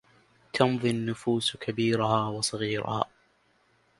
تمضي النفوس كبيرها وصغيرها